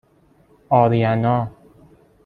آریَنا